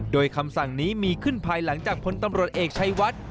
โดยคำสั่งนี้มีขึ้นภายหลังจากพลตำรวจเอกชัยวัด